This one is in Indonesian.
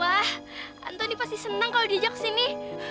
wah antoni pasti seneng kalau diajak ke sini